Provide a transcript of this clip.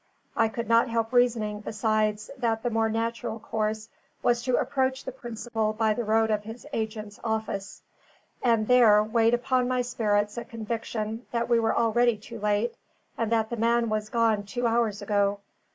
I could not help reasoning, besides, that the more natural course was to approach the principal by the road of his agent's office; and there weighed upon my spirits a conviction that we were already too late, and that the man was gone two hours ago.